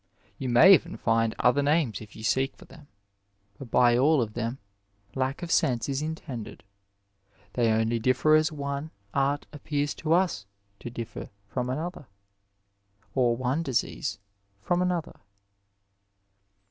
Tou may even find other names if you seek for them, but by all of them lack of senae is intended. They only differ aa one art appean to at to difiar fsom anothfir. or one rjiimiar from another.